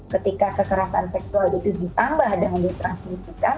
ketika kekerasan seksual itu ditambah dengan ditransmisikan